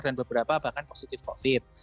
dan beberapa bahkan positif covid